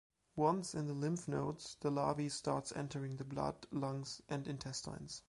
Once in the lymph nodes, the larvae starts entering the blood, lungs, and intestines.